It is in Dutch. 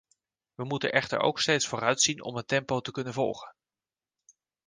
We moeten echter ook steeds vooruitzien om het tempo te kunnen volgen.